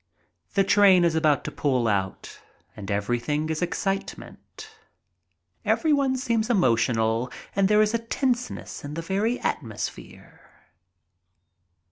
The train is about to pull out and everything is excite ment. Everyone seems emotional and there is a tense ness in the very atmosphere.